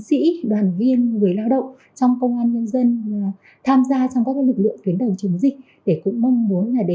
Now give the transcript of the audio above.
sĩ đoàn viên người lao động trong công an nhân dân tham gia trong các lực lượng tuyến đầu chống dịch